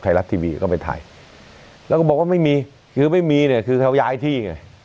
ไทยรัฐทีวีก็ไปถ่ายแล้วก็บอกว่าไม่มีคือไม่มีเนี่ยคือเขาย้ายที่ไง